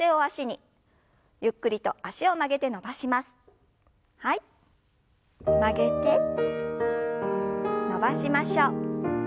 曲げて伸ばしましょう。